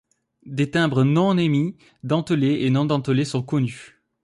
Des timbres non émis, dentelés et non dentelés, sont connus.